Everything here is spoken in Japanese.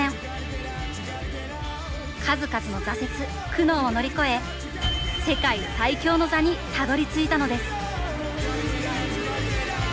数々の挫折苦悩を乗り越え世界最強の座にたどりついたのです！